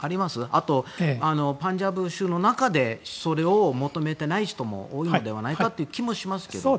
あと、パンジャブ州の中でそれを求めてない人も多いのではないかという気もしますけれども。